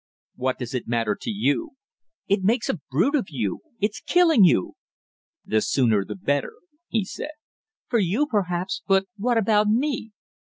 "What does it matter to you?" "It makes a brute of you; it's killing you!" "The sooner the better," he said. "For you, perhaps; but what about me?"